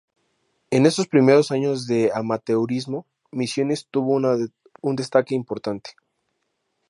En esos primeros años de amateurismo, Misiones tuvo un destaque importante.